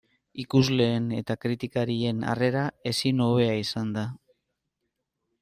Ikusleen eta kritikarien harrera ezin hobea izan da.